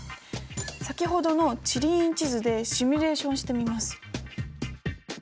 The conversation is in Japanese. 先ほどの地理院地図でシミュレーションしてみます。